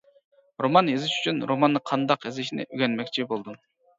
رومان يېزىش ئۈچۈن روماننى قانداق يېزىشنى ئۆگەنمەكچى بولدۇم.